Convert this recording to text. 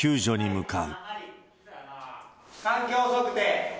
環境測定。